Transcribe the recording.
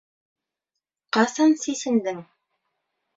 Ҡасан сисендең?